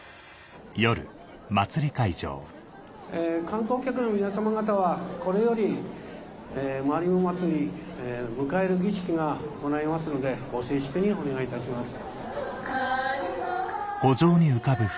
観光客の皆様方はこれよりまりも祭り迎える儀式が行いますのでご静粛にお願いいたします。